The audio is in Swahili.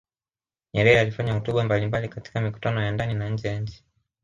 Nyerere alifanya hotuba mbalimbali katika mikutano ya ndani na nje ya nchi